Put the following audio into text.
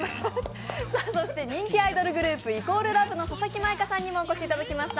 そして人気アイドルグループ＝ＬＯＶＥの佐々木舞香さんにもお越しいただきました。